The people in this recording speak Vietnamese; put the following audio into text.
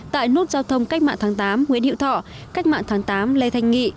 tại nút giao thông cách mạng tháng tám nguyễn hiệu thọ cách mạng tháng tám lê thanh nghị